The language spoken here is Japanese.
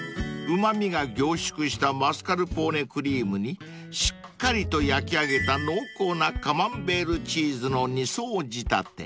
［うま味が凝縮したマスカルポーネクリームにしっかりと焼き上げた濃厚なカマンベールチーズの２層仕立て］